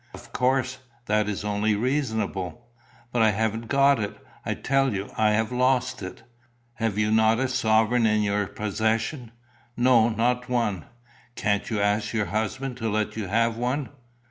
"Of course. That is only reasonable." "But I haven't got it, I tell you. I have lost it." "Have you not a sovereign in your possession?" "No, not one." "Can't you ask your husband to let you have one?"